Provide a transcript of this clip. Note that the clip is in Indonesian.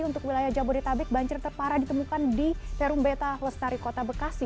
untuk wilayah jabodetabek banjir terparah ditemukan di serum beta lestari kota bekasi